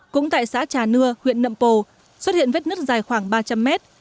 cũng tại xã trà nưa huyện nậm pồ xuất hiện vết nứt dài khoảng ba trăm linh mét